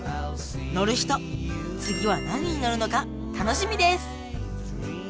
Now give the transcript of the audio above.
乗る人次は何に乗るのか楽しみです！